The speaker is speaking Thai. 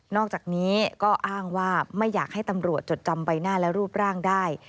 อกจากนี้ก็อ้างว่าไม่อยากให้ตำรวจจดจำใบหน้าและรูปร่างได้